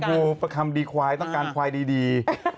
ถ้าชมพูทำดีควายต้องการควายดี